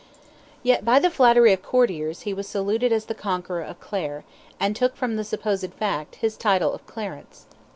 Yet by the flattery of courtiers he was saluted as the conqueror of Clare, and took from the supposed fact, his title of Clarence.